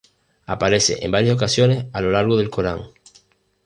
Aparece en varias ocasiones a lo largo del Corán.